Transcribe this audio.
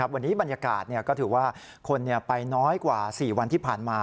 วันนี้บรรยากาศก็ถือว่าคนไปน้อยกว่า๔วันที่ผ่านมา